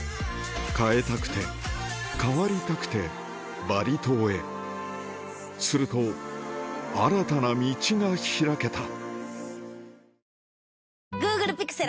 変えたくて変わりたくてバリ島へすると新たな道が開けた